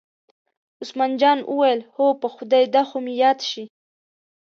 عثمان جان وویل: هو په خدای دا خو مې یاد شي.